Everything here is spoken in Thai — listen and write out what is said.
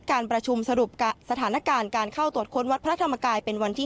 การประชุมสรุปสถานการณ์การเข้าตรวจค้นวัดพระธรรมกายเป็นวันที่๒